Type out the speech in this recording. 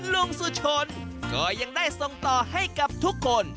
ลุงสุชนก็ยังได้ส่งต่อให้กับทุกคน